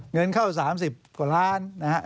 เงินเข้า๓๐กว่าล้านนะฮะ